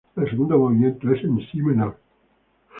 El segundo movimiento es en si menor.